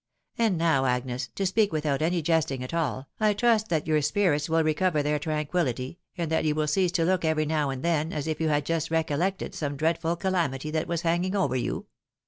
And now, Agnes, to speak without any jesting at all, I trust that your spirits will recover their tranquillity, and that you will cease to look every now and then as if you had just recollected some dreadful calamity that was hanging over you.